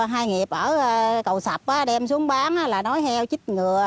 hai nghiệp ở cầu sạp đem xuống bán là nói heo chích ngừa